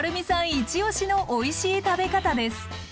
イチオシのおいしい食べ方です。